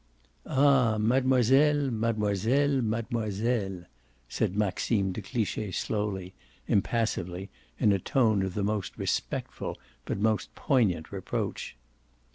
"Ah mademoiselle, mademoiselle, mademoiselle!" said Maxime de Cliche slowly, impressively, in a tone of the most respectful but most poignant reproach.